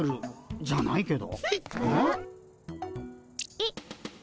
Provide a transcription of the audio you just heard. えっ？